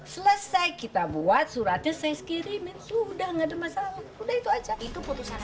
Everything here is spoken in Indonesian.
selesai kita buat suratnya saya sekirimin sudah nggak ada masalah sudah itu aja